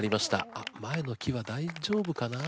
あっ前の木は大丈夫かな？